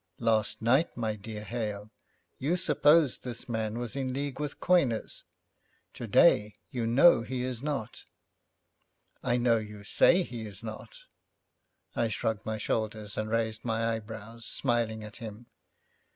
'Last night, my dear Hale, you supposed this man was in league with coiners. Today you know he is not.' 'I know you say he is not.' I shrugged my shoulders, and raised my eyebrows, smiling at him.